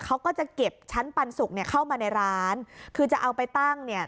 เขาก็จะเก็บชั้นปันสุกเนี่ยเข้ามาในร้านคือจะเอาไปตั้งเนี่ย